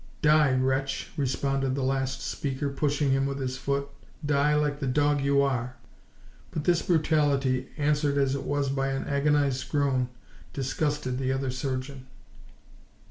"Die, wretch!" responded the last speaker, pushing him with his foot. "Die, like the dog you are!" But this brutality, answered as it was by an agonised groan, disgusted the other surgeon.